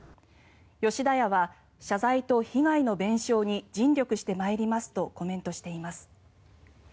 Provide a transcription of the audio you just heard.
吉田屋は謝罪と被害の弁償に尽力してまいりますとコメントしています。